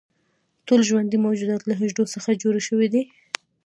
ټول ژوندي موجودات له حجرو څخه جوړ شوي دي